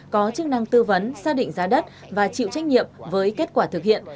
có chức năng tư vấn xác định giá đất và chịu trách nhiệm với kết quả thực hiện